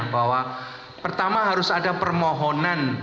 bahwa pertama harus ada permohonan